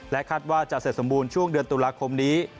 คาดว่าจะเสร็จสมบูรณ์ช่วงเดือนตุลาคมนี้